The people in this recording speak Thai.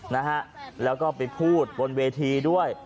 นะฮะแล้วก็ไปพูดบนเวทีด้วย